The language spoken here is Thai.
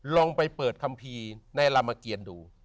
ลองไปเปิดคำพีในรามเกียรติ์ดู